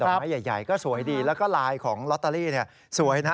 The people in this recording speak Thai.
ไม้ใหญ่ก็สวยดีแล้วก็ลายของลอตเตอรี่สวยนะ